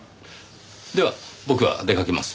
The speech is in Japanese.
では僕は出かけます。